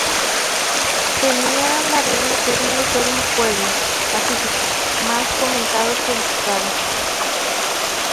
Tenía la reputación de ser un "pueblo" pacífico, más comentado que visitado.